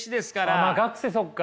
まあ学生そっか。